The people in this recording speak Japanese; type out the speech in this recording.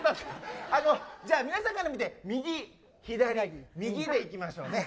じゃあ、皆さんから見て右、左、右でいきましょうね。